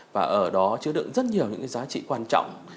và ở đó chứa được rất nhiều những giá trị quan trọng